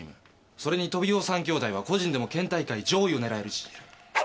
それにトビウオ３兄弟は個人でも県大会上位を狙える位置にいる。